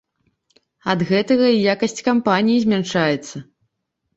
Ад гэтага і якасць кампаніі змяншаецца.